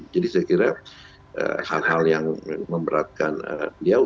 jadi saya kira hal hal yang memberatkan dia